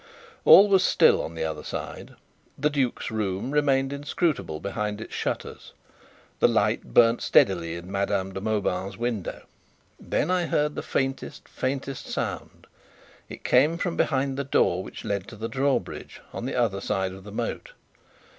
All was still on the other side. The duke's room remained inscrutable behind its shutters. The light burnt steadily in Madame de Mauban's window. Then I heard the faintest, faintest sound: it came from behind the door which led to the drawbridge on the other side of the moat.